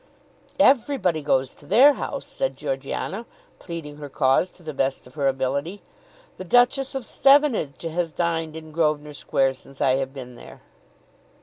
"Everybody goes to their house," said Georgiana, pleading her cause to the best of her ability. "The Duchess of Stevenage has dined in Grosvenor Square since I have been there."